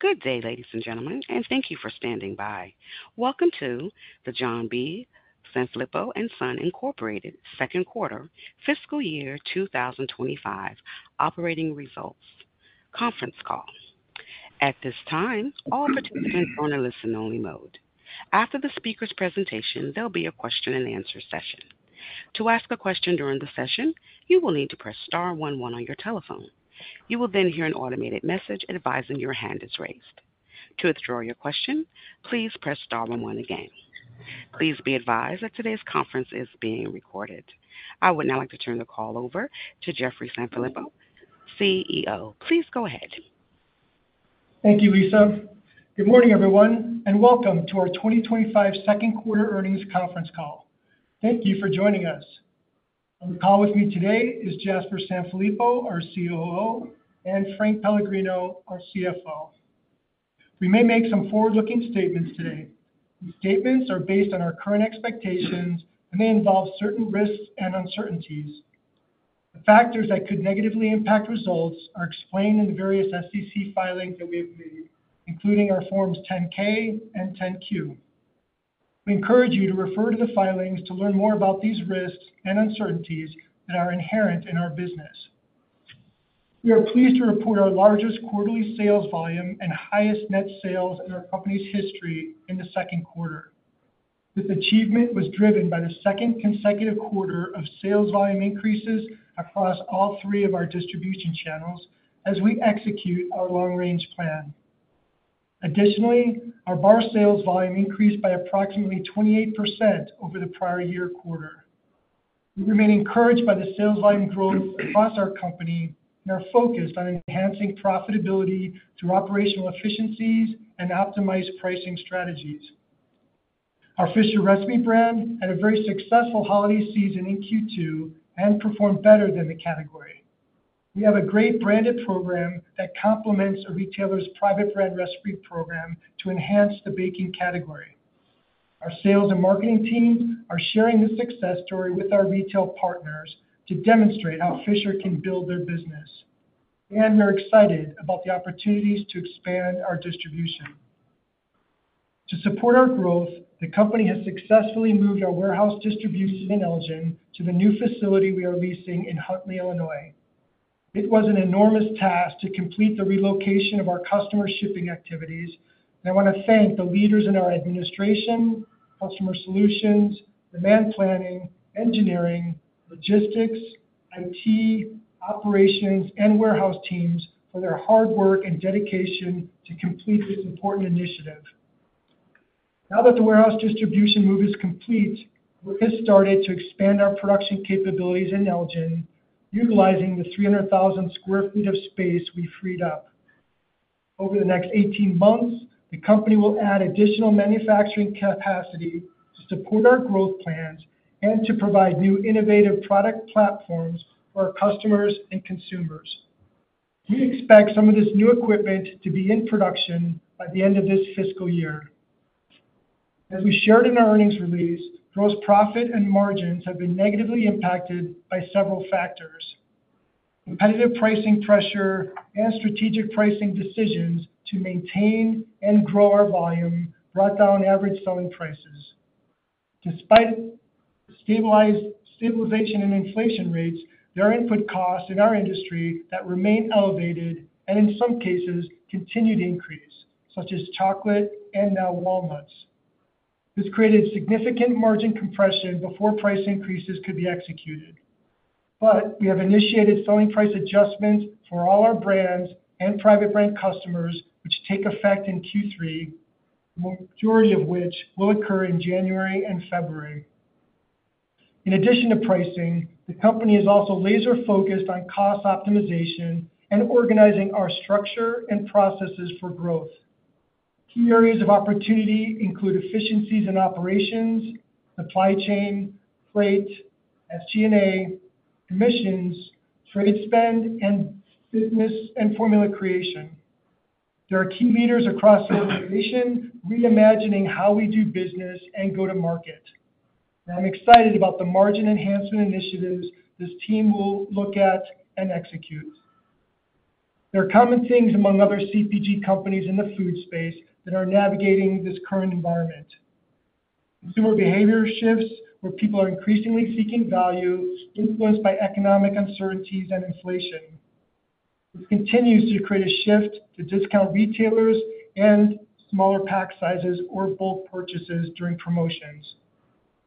Good day, ladies and gentlemen, and thank you for standing by. Welcome to the John B. Sanfilippo & Son Inc second quarter fiscal year 2025 operating results conference call. At this time, all participants are on a listen-only mode. After the speaker's presentation, there'll be a question-and-answer session. To ask a question during the session, you will need to press star one one on your telephone. You will then hear an automated message advising your hand is raised. To withdraw your question, please press star one one again. Please be advised that today's conference is being recorded. I would now like to turn the call over to Jeffrey Sanfilippo, Chief Executive Officer. Please go ahead. Thank you, Lisa. Good morning, everyone, and welcome to our 2025 Second Quarter Earnings Conference Call. Thank you for joining us. On the call with me today is Jasper Sanfilippo, our Chief Operating Officer, and Frank Pellegrino, our Chief Financial Officer. We may make some forward-looking statements today. These statements are based on our current expectations, and they involve certain risks and uncertainties. The factors that could negatively impact results are explained in the various SEC filings that we have made, including our Forms 10-K and 10-Q. We encourage you to refer to the filings to learn more about these risks and uncertainties that are inherent in our business. We are pleased to report our largest quarterly sales volume and highest net sales in our company's history in the second quarter. This achievement was driven by the second consecutive quarter of sales volume increases across all three of our distribution channels as we execute our long-range plan. Additionally, our bar sales volume increased by approximately 28% over the prior year quarter. We remain encouraged by the sales volume growth across our company and are focused on enhancing profitability through operational efficiencies and optimized pricing strategies. Our Fisher Recipe brand had a very successful holiday season in Q2 and performed better than the category. We have a great branded program that complements a retailer's private brand recipe program to enhance the baking category. Our sales and marketing teams are sharing this success story with our retail partners to demonstrate how Fisher can build their business, and they're excited about the opportunities to expand our distribution. To support our growth, the company has successfully moved our warehouse distribution in Elgin to the new facility we are leasing in Huntley, Illinois. It was an enormous task to complete the relocation of our customer shipping activities, and I want to thank the leaders in our administration, customer solutions, demand planning, engineering, logistics, IT, operations, and warehouse teams for their hard work and dedication to complete this important initiative. Now that the warehouse distribution move is complete, we're getting started to expand our production capabilities in Elgin, utilizing the 300,000 sq ft of space we freed up. Over the next 18 months, the company will add additional manufacturing capacity to support our growth plans and to provide new innovative product platforms for our customers and consumers. We expect some of this new equipment to be in production by the end of this fiscal year. As we shared in our earnings release, gross profit and margins have been negatively impacted by several factors. Competitive pricing pressure and strategic pricing decisions to maintain and grow our volume brought down average selling prices. Despite stabilization in inflation rates, there are input costs in our industry that remain elevated and, in some cases, continue to increase, such as chocolate and now walnuts. This created significant margin compression before price increases could be executed. But we have initiated selling price adjustments for all our brands and private brand customers, which take effect in Q3, the majority of which will occur in January and February. In addition to pricing, the company is also laser-focused on cost optimization and organizing our structure and processes for growth. Key areas of opportunity include efficiencies in operations, supply chain, freight, SG&A, emissions, trade spend, and business and formula creation. There are key leaders across the organization reimagining how we do business and go to market. I'm excited about the margin enhancement initiatives this team will look at and execute. There are common themes among other CPG companies in the food space that are navigating this current environment. Consumer behavior shifts where people are increasingly seeking value, influenced by economic uncertainties and inflation. This continues to create a shift to discount retailers and smaller pack sizes or bulk purchases during promotions.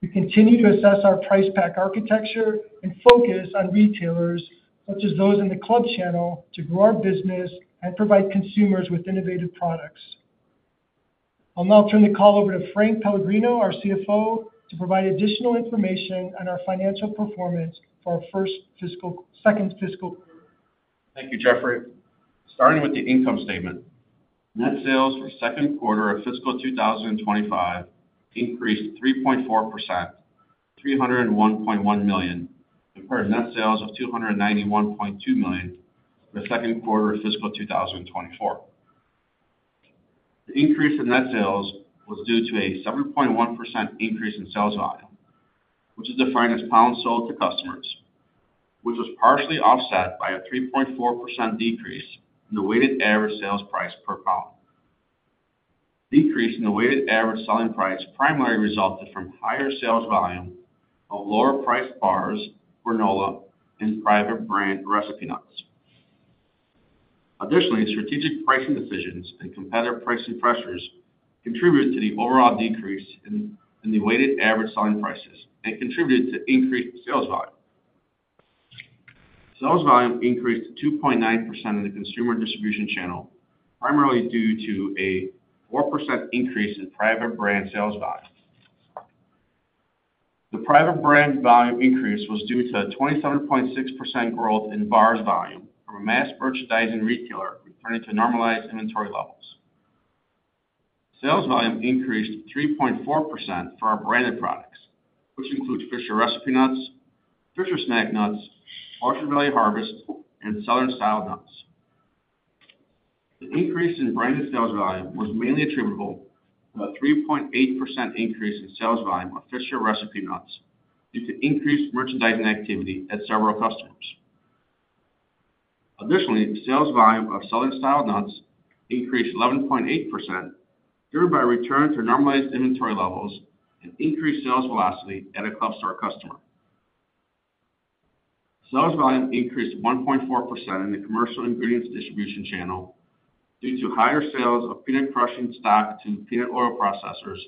We continue to assess our price pack architecture and focus on retailers such as those in the club channel to grow our business and provide consumers with innovative products. I'll now turn the call over to Frank Pellegrino, our Chief Financial Officer, to provide additional information on our financial performance for our first second fiscal quarter. Thank you, Jeffrey. Starting with the income statement, net sales for second quarter of fiscal 2025 increased 3.4% to $301.1 million, compared to net sales of $291.2 million for second quarter of fiscal 2024. The increase in net sales was due to a 7.1% increase in sales volume, which is defined as pounds sold to customers, which was partially offset by a 3.4% decrease in the weighted average sales price per pound. Decrease in the weighted average selling price primarily resulted from higher sales volume of lower-priced bars, granola, and private brand recipe nuts. Additionally, strategic pricing decisions and competitive pricing pressures contributed to the overall decrease in the weighted average selling prices and contributed to increased sales volume. Sales volume increased 2.9% in the consumer distribution channel, primarily due to a 4% increase in private brand sales volume. The private brand volume increase was due to a 27.6% growth in bars volume from a mass merchandising retailer returning to normalized inventory levels. Sales volume increased 3.4% for our branded products, which includes Fisher Recipe Nuts, Fisher Snack Nuts, Orchard Valley Harvest, and Southern Style Nuts. The increase in branded sales volume was mainly attributable to a 3.8% increase in sales volume of Fisher Recipe Nuts due to increased merchandising activity at several customers. Additionally, sales volume of Southern Style Nuts increased 11.8%, driven by return to normalized inventory levels and increased sales velocity at a club store customer. Sales volume increased 1.4% in the commercial ingredients distribution channel due to higher sales of peanut crushing stock to peanut oil processors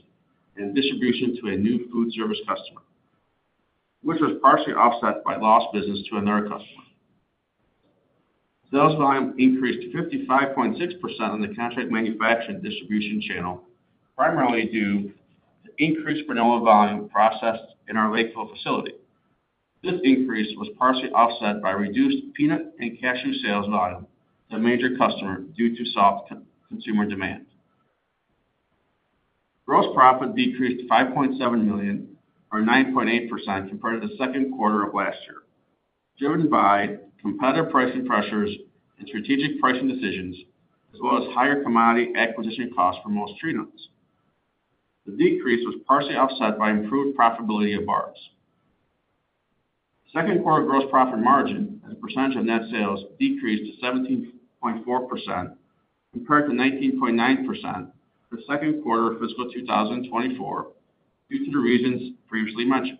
and distribution to a new food service customer, which was partially offset by lost business to another customer. Sales volume increased 55.6% on the contract manufacturing distribution channel, primarily due to increased granola volume processed in our Lakeville facility. This increase was partially offset by reduced peanut and cashew sales volume to a major customer due to soft consumer demand. Gross profit decreased $5.7 million, or 9.8%, compared to the second quarter of last year, driven by competitive pricing pressures and strategic pricing decisions, as well as higher commodity acquisition costs for most tree nuts. The decrease was partially offset by improved profitability of bars. Second quarter gross profit margin as a percentage of net sales decreased to 17.4%, compared to 19.9% for second quarter of fiscal 2024, due to the reasons previously mentioned.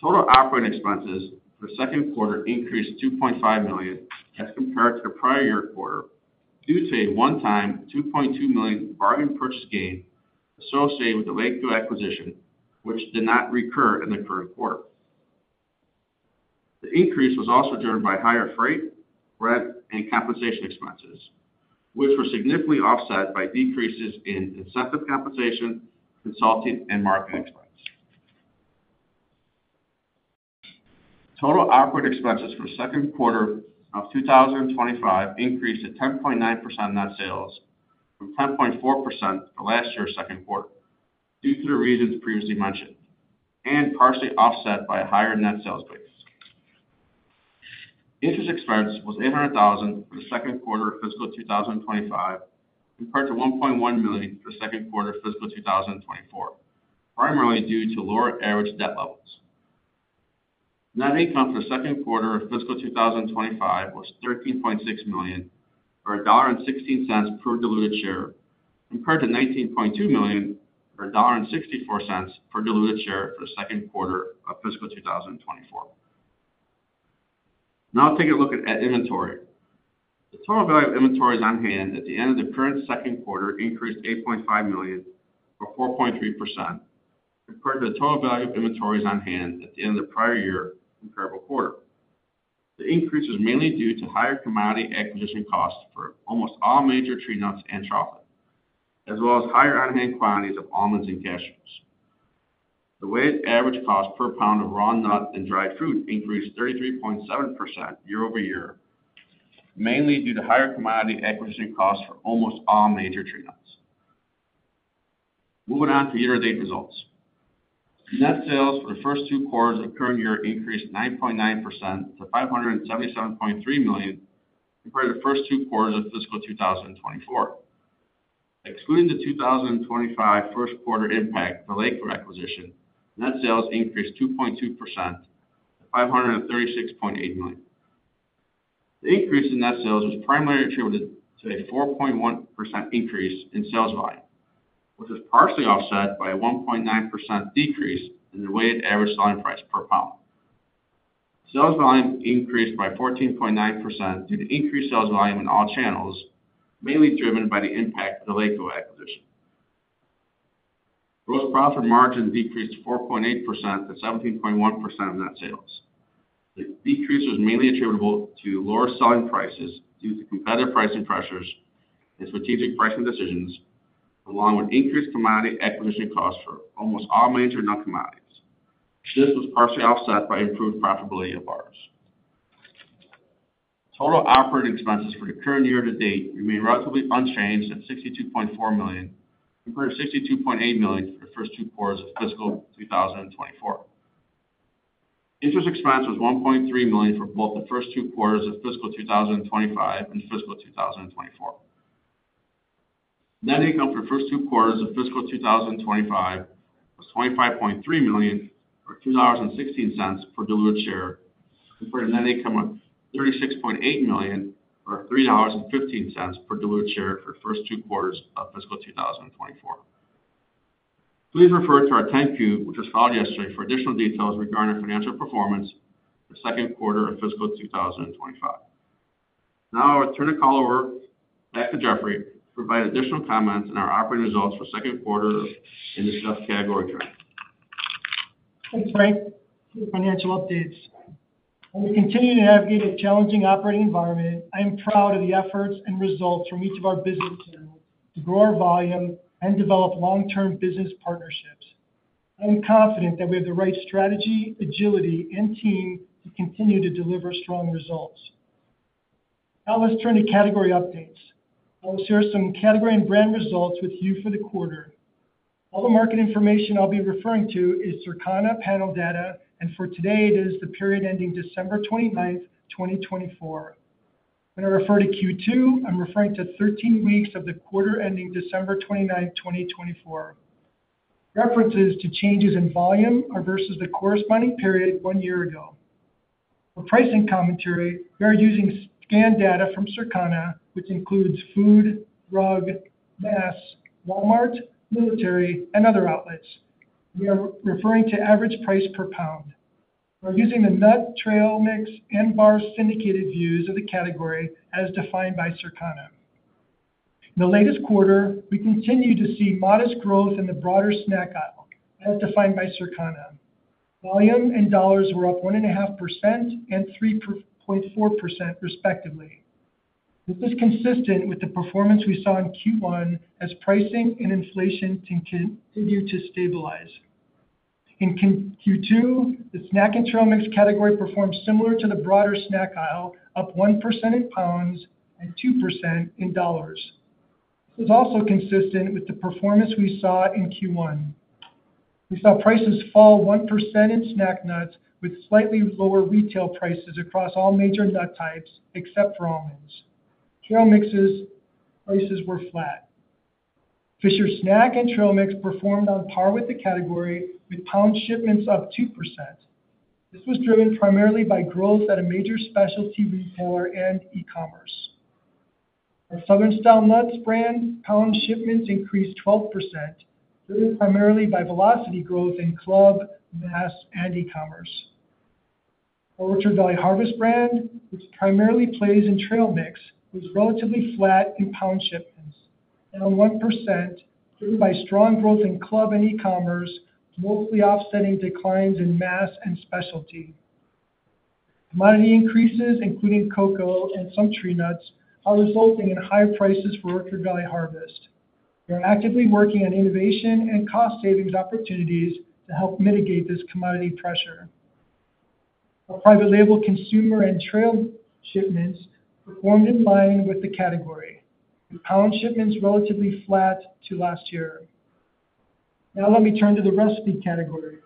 Total operating expenses for second quarter increased $2.5 million as compared to the prior year quarter, due to a one-time $2.2 million bargain purchase gain associated with the Lakeville acquisition, which did not recur in the current quarter. The increase was also driven by higher freight, rent, and compensation expenses, which were significantly offset by decreases in incentive compensation, consulting, and marketing expenses. Total operating expenses for second quarter of 2025 increased to 10.9% net sales, from 10.4% for last year's second quarter, due to the reasons previously mentioned, and partially offset by a higher net sales base. Interest expense was $800,000 for the second quarter of fiscal 2025, compared to $1.1 million for the second quarter of fiscal 2024, primarily due to lower average debt levels. Net income for the second quarter of fiscal 2025 was $13.6 million, or $1.16 per diluted share, compared to $19.2 million, or $1.64 per diluted share for the second quarter of fiscal 2024. Now, let's take a look at inventory. The total value of inventories on hand at the end of the current second quarter increased $8.5 million, or 4.3%, compared to the total value of inventories on hand at the end of the prior year comparable quarter. The increase was mainly due to higher commodity acquisition costs for almost all major tree nuts and chocolate, as well as higher on-hand quantities of almonds and cashews. The weighted average cost per pound of raw nut and dried fruit increased 33.7% year-over-year, mainly due to higher commodity acquisition costs for almost all major tree nuts. Moving on to year-to-date results. Net sales for the first two quarters of the current year increased 9.9% to $577.3 million, compared to the first two quarters of fiscal 2024. Excluding the 2025 first quarter impact for Lakeville acquisition, net sales increased 2.2% to $536.8 million. The increase in net sales was primarily attributed to a 4.1% increase in sales volume, which was partially offset by a 1.9% decrease in the weighted average selling price per pound. Sales volume increased by 14.9% due to increased sales volume in all channels, mainly driven by the impact of the Lakeville acquisition. Gross profit margin decreased 4.8% to 17.1% of net sales. The decrease was mainly attributable to lower selling prices due to competitive pricing pressures and strategic pricing decisions, along with increased commodity acquisition costs for almost all major nut commodities, which was partially offset by improved profitability of bars. Total operating expenses for the current year to date remain relatively unchanged at $62.4 million, compared to $62.8 million for the first two quarters of fiscal 2024. Interest expense was $1.3 million for both the first two quarters of fiscal 2025 and fiscal 2024. Net income for the first two quarters of fiscal 2025 was $25.3 million, or $2.16 per diluted share, compared to net income of $36.8 million, or $3.15 per diluted share for the first two quarters of fiscal 2024. Please refer to our 10-Q, which was filed yesterday, for additional details regarding our financial performance for second quarter of fiscal 2025. Now I'll turn the call over to Jeffrey to provide additional comments on our operating results for second quarter in the CPG category chart. Thanks, Frank. Thank you for the financial updates. As we continue to navigate a challenging operating environment, I am proud of the efforts and results from each of our business channels to grow our volume and develop long-term business partnerships. I am confident that we have the right strategy, agility, and team to continue to deliver strong results. Now let's turn to category updates. I will share some category and brand results with you for the quarter. All the market information I'll be referring to is Circana Panel Data, and for today, it is the period ending December 29, 2024. When I refer to Q2, I'm referring to 13 weeks of the quarter ending December 29, 2024. References to changes in volume are versus the corresponding period one year ago. For pricing commentary, we are using scanned data from Circana, which includes food, drug, mass, Walmart, military, and other outlets. We are referring to average price per pound. We're using the nut, trail, mix, and bar syndicated views of the category as defined by Circana. In the latest quarter, we continue to see modest growth in the broader snack aisle, as defined by Circana. Volume and dollars were up 1.5% and 3.4%, respectively. This is consistent with the performance we saw in Q1 as pricing and inflation continued to stabilize. In Q2, the snack and trail mix category performed similar to the broader snack aisle, up 1% in pounds and 2% in dollars. This is also consistent with the performance we saw in Q1. We saw prices fall 1% in snack nuts, with slightly lower retail prices across all major nut types except for almonds. Trail mixes prices were flat. Fisher Snack and Trail Mix performed on par with the category, with pound shipments up 2%. This was driven primarily by growth at a major specialty retailer and e-commerce. Our Southern Style Nuts brand pound shipments increased 12%, driven primarily by velocity growth in club, mass, and e-commerce. Our Orchard Valley Harvest brand, which primarily plays in trail mix, was relatively flat in pound shipments, down 1%, driven by strong growth in club and e-commerce, mostly offsetting declines in mass and specialty. Commodity increases, including cocoa and some tree nuts, are resulting in higher prices for Orchard Valley Harvest. We are actively working on innovation and cost savings opportunities to help mitigate this commodity pressure. Our private label consumer and trail shipments performed in line with the category, with pound shipments relatively flat to last year. Now let me turn to the recipe category.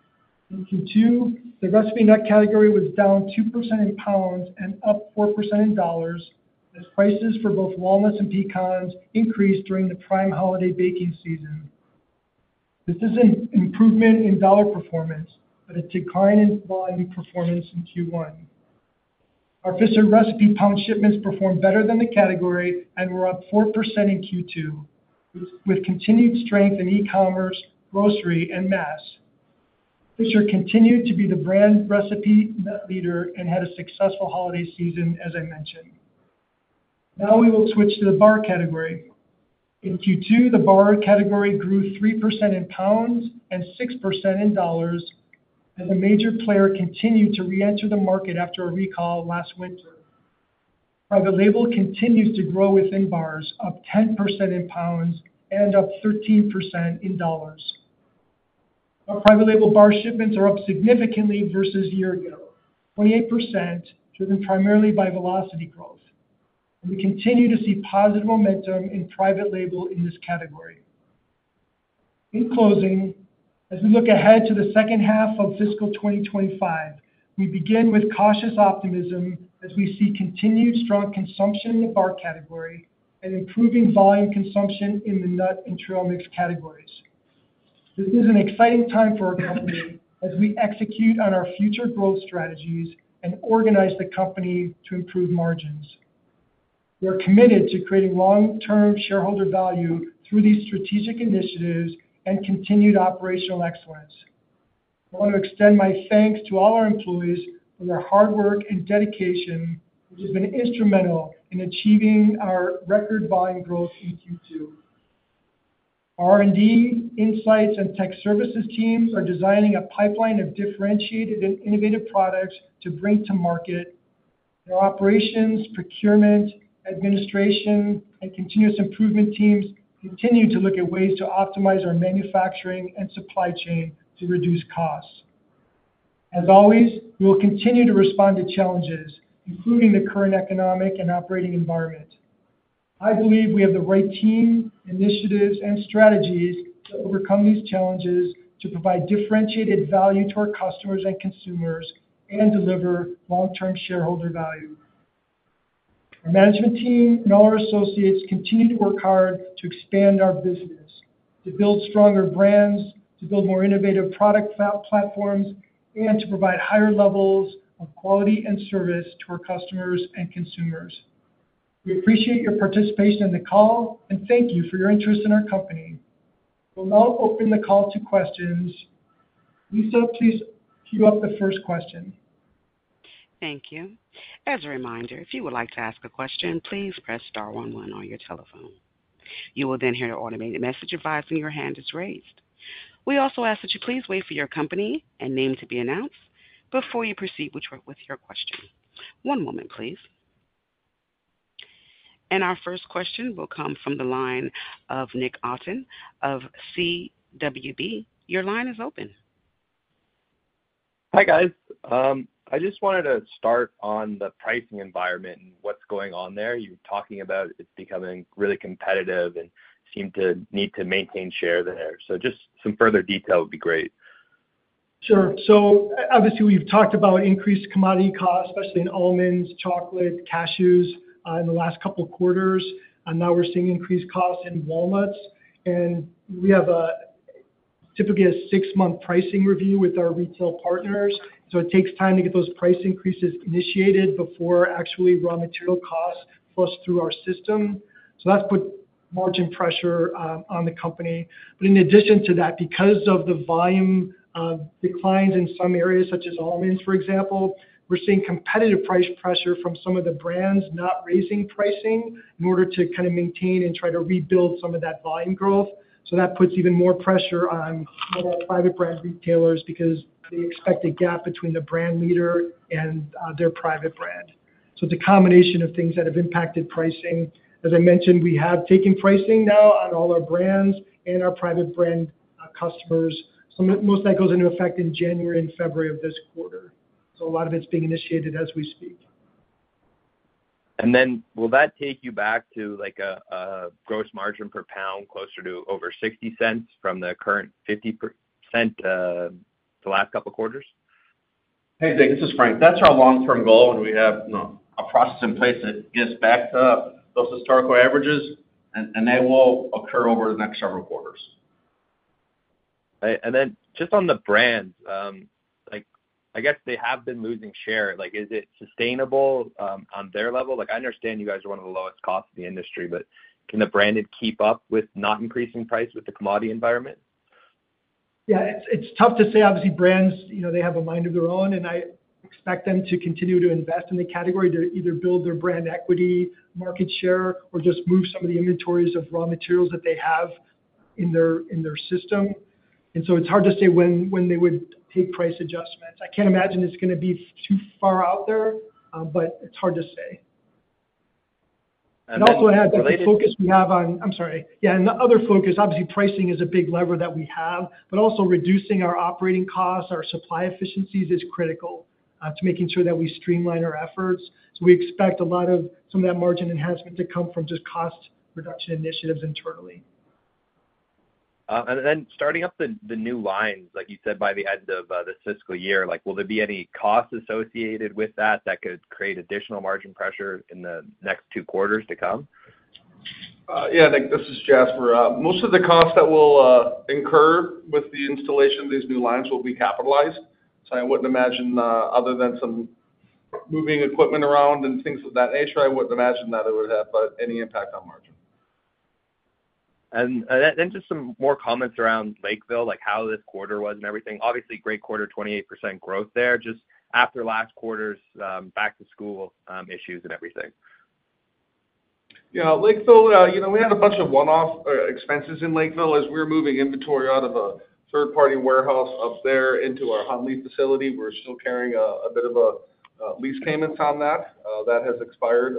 In Q2, the recipe nut category was down 2% in pounds and up 4% in dollars as prices for both walnuts and pecans increased during the prime holiday baking season. This is an improvement in dollar performance, but a decline in volume performance in Q1. Our Fisher Recipe pound shipments performed better than the category and were up 4% in Q2, with continued strength in e-commerce, grocery, and mass. Fisher continued to be the brand recipe leader and had a successful holiday season, as I mentioned. Now we will switch to the bar category. In Q2, the bar category grew 3% in pounds and 6% in dollars as a major player continued to re-enter the market after a recall last winter. Private label continues to grow within bars, up 10% in pounds and up 13% in dollars. Our private label bar shipments are up significantly versus a year ago, 28%, driven primarily by velocity growth. We continue to see positive momentum in private label in this category. In closing, as we look ahead to the second half of fiscal 2025, we begin with cautious optimism as we see continued strong consumption in the bar category and improving volume consumption in the nut and trail mix categories. This is an exciting time for our company as we execute on our future growth strategies and organize the company to improve margins. We are committed to creating long-term shareholder value through these strategic initiatives and continued operational excellence. I want to extend my thanks to all our employees for their hard work and dedication, which has been instrumental in achieving our record volume growth in Q2. Our R&D, insights, and tech services teams are designing a pipeline of differentiated and innovative products to bring to market. Our operations, procurement, administration, and continuous improvement teams continue to look at ways to optimize our manufacturing and supply chain to reduce costs. As always, we will continue to respond to challenges, including the current economic and operating environment. I believe we have the right team, initiatives, and strategies to overcome these challenges, to provide differentiated value to our customers and consumers, and deliver long-term shareholder value. Our management team and all our associates continue to work hard to expand our business, to build stronger brands, to build more innovative product platforms, and to provide higher levels of quality and service to our customers and consumers. We appreciate your participation in the call, and thank you for your interest in our company. We'll now open the call to questions. Lisa, please queue up the first question. Thank you. As a reminder, if you would like to ask a question, please press star one one on your telephone. You will then hear an automated message advising your hand is raised. We also ask that you please wait for your company and name to be announced before you proceed with your question. One moment, please. And our first question will come from the line of Nick Otten of CWB. Your line is open. Hi, guys. I just wanted to start on the pricing environment and what's going on there. You were talking about it's becoming really competitive and seemed to need to maintain share there. So just some further detail would be great. Sure. So obviously, we've talked about increased commodity costs, especially in almonds, chocolate, cashews in the last couple of quarters. Now we're seeing increased costs in walnuts, and we have typically a six-month pricing review with our retail partners, so it takes time to get those price increases initiated before actually raw material costs flush through our system, so that's put margin pressure on the company, but in addition to that, because of the volume declines in some areas, such as almonds, for example, we're seeing competitive price pressure from some of the brands not raising pricing in order to kind of maintain and try to rebuild some of that volume growth, so that puts even more pressure on some of our private brand retailers because they expect a gap between the brand leader and their private brand. So it's a combination of things that have impacted pricing. As I mentioned, we have taken pricing now on all our brands and our private brand customers. So, most of that goes into effect in January and February of this quarter. So, a lot of it's being initiated as we speak. Will that take you back to a gross margin per pound closer to over $0.60 from the current $0.50 the last couple of quarters? Hey, this is Frank. That's our long-term goal, and we have a process in place that gets back to those historical averages, and that will occur over the next several quarters. And then just on the brands, I guess they have been losing share. Is it sustainable on their level? I understand you guys are one of the lowest costs in the industry, but can the branded keep up with not increasing price with the commodity environment? Yeah, it's tough to say. Obviously, brands, they have a mind of their own, and I expect them to continue to invest in the category to either build their brand equity, market share, or just move some of the inventories of raw materials that they have in their system, and so it's hard to say when they would take price adjustments. I can't imagine it's going to be too far out there, but it's hard to say. Yeah, and the other focus, obviously, pricing is a big lever that we have, but also reducing our operating costs, our supply efficiencies is critical to making sure that we streamline our efforts, so we expect a lot of some of that margin enhancement to come from just cost reduction initiatives internally. And then starting up the new lines, like you said, by the end of the fiscal year, will there be any costs associated with that that could create additional margin pressure in the next two quarters to come? Yeah, Nick, this is Jasper. Most of the costs that will incur with the installation of these new lines will be capitalized. So I wouldn't imagine, other than some moving equipment around and things of that nature, I wouldn't imagine that it would have any impact on margin. Just some more comments around Lakeville, like how this quarter was and everything. Obviously, great quarter, 28% growth there, just after last quarter's back-to-school issues and everything. Yeah, Lakeville, we had a bunch of one-off expenses in Lakeville as we were moving inventory out of a third-party warehouse up there into our Huntley facility. We're still carrying a bit of lease payments on that. That has expired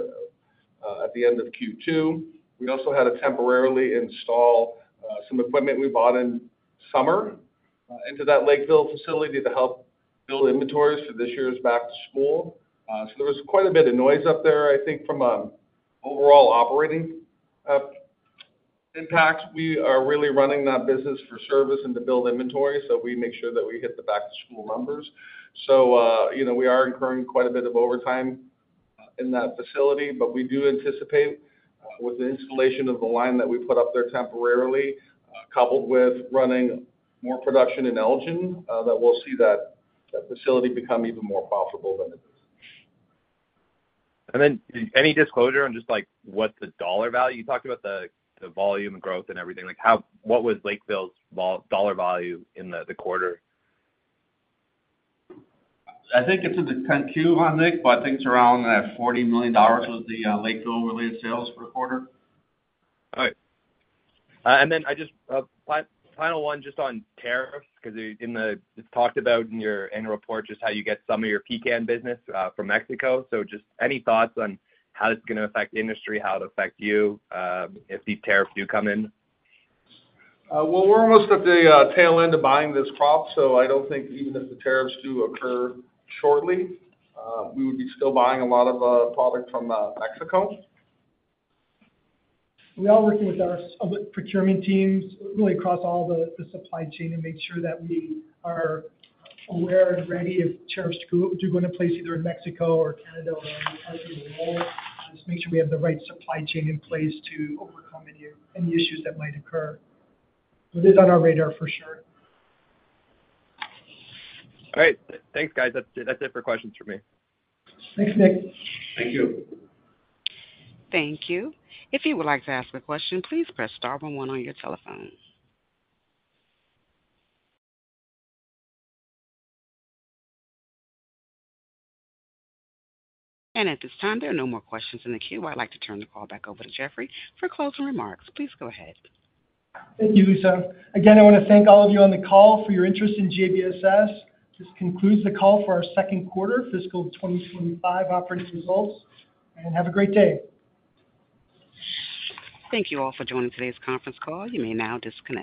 at the end of Q2. We also had to temporarily install some equipment we bought in summer into that Lakeville facility to help build inventories for this year's back-to-school. So, there was quite a bit of noise up there, I think, from overall operating impacts. We are really running that business for service and to build inventory, so we make sure that we hit the back-to-school numbers. So we are incurring quite a bit of overtime in that facility, but we do anticipate with the installation of the line that we put up there temporarily, coupled with running more production in Elgin, that we'll see that facility become even more profitable than it is. Then any disclosure on just what the dollar value you talked about, the volume and growth and everything? What was Lakeville's dollar value in the quarter? I think it's in the kind of Q1, Nick, but I think it's around $40 million was the Lakeville-related sales for the quarter. All right, and then just final one just on tariffs because it's talked about in your annual report just how you get some of your pecan business from Mexico, so just any thoughts on how this is going to affect the industry, how it'll affect you if these tariffs do come in? We're almost at the tail end of buying this crop, so I don't think even if the tariffs do occur shortly, we would be still buying a lot of product from Mexico. We are working with our public procurement teams really across all the supply chain to make sure that we are aware and ready if tariffs do go into place either in Mexico or Canada or other parts of the world. Just make sure we have the right supply chain in place to overcome any issues that might occur, so it is on our radar for sure. All right. Thanks, guys. That's it for questions from me. Thanks, Nick. Thank you. Thank you. If you would like to ask a question, please press star one one on your telephone, and at this time, there are no more questions in the queue. I'd like to turn the call back over to Jeffrey for closing remarks. Please go ahead. Thank you, Lisa. Again, I want to thank all of you on the call for your interest in JBSS. This concludes the call for our second quarter fiscal 2025 operating results, and have a great day. Thank you all for joining today's conference call. You may now disconnect.